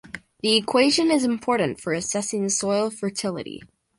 The equation is important for assessing soil fertility.